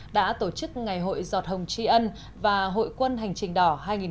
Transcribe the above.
đã tổ chức ngày hội giọt hồng tri ân và hội quân hành trình đỏ hai nghìn một mươi chín